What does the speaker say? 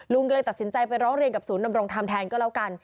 ก็เลยตัดสินใจไปร้องเรียนกับศูนย์ดำรงธรรมแทนก็แล้วกัน